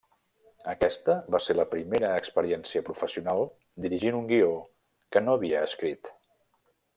Aquesta va ser la seva primera experiència professional dirigint un guió que no havia escrit.